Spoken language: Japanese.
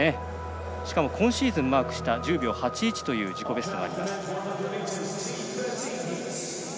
しかも今シーズンマークした１０秒８１という自己ベスト。